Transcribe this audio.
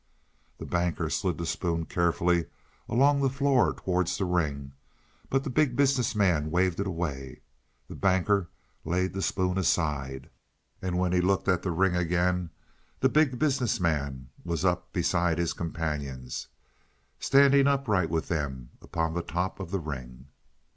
The Banker slid the spoon carefully along the floor towards the ring, but the Big Business Man waved it away. The Banker laid the spoon aside, and when he looked at the ring again the Big Business Man was up beside his companions, standing upright with them upon the top of the ring.